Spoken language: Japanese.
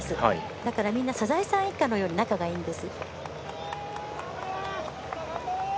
だから、みんなサザエさん一家のように仲がいいんです。